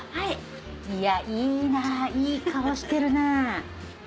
いやいいないい顔してるな。